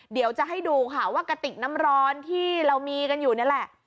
เดี๋ยวจะให้ดูค่ะว่ากระติกน้ำร้อนที่เรามีกันอยู่นี่แหละ